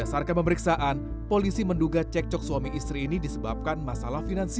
berdasarkan pemeriksaan polisi menduga cek cok suami istri ini disebabkan masalah kesehatan di rumah sakit ini